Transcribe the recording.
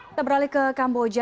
kita beralih ke kamboja